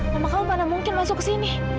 mama kamu mana mungkin masuk ke sini